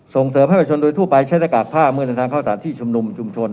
ส่งเสริมให้ประชาชนโดยทั่วไปใช้หน้ากากผ้าเมื่อเดินทางเข้าสถานที่ชุมนุมชุมชน